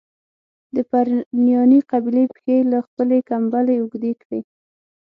د پرنیاني قبیلې پښې له خپلي کمبلي اوږدې کړي.